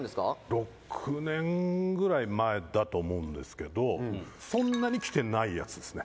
６年ぐらい前だと思うんですけどそんなに着てないやつですね。